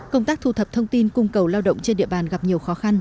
công tác thu thập thông tin cung cầu lao động trên địa bàn gặp nhiều khó khăn